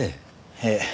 ええ。